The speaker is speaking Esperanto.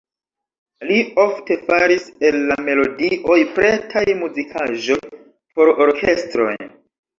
Li ofte faris el la melodioj pretaj muzikaĵoj por orkestroj.